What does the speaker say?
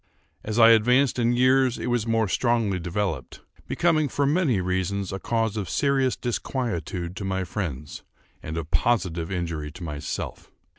As I advanced in years it was more strongly developed; becoming, for many reasons, a cause of serious disquietude to my friends, and of positive injury to myself.